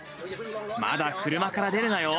まだ車から出るなよ。